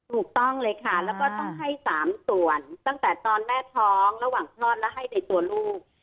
ถูกต้องเลยค่ะแล้วก็ต้องให้๓ส่วนตั้งแต่ตอนแม่ท้องระหว่างคลอดและให้ในตัวลูก